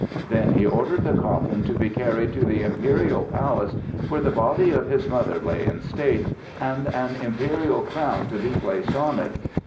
Then he ordered the coffin to be carried to the imperial palace where the body of his mother lay in state, and an imperial crown to be placed on it.